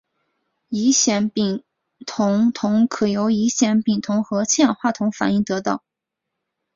乙酰丙酮铜可由乙酰丙酮和氢氧化铜反应得到。